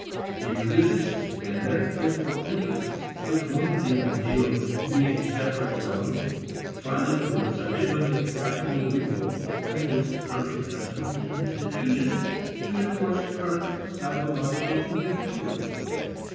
The religious and metaphysical interests which wanted the ideal to be a separate realm finally coincided with a practical revolt against current customs and institutions to enforce current psychological individualism.